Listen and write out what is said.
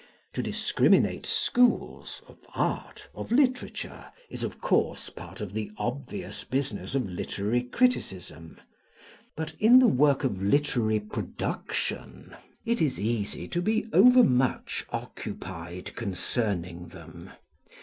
To discriminate schools, of art, of literature, is, of course, part of the obvious business of literary criticism: but, in the work of literary production, it is easy to be overmuch occupied concerning them.